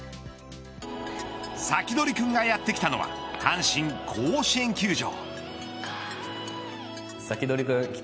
サキドリくんがやってきたのは阪神甲子園球場。